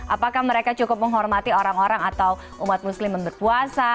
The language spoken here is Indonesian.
apakah mereka cukup menghormati orang orang atau umat muslim yang berpuasa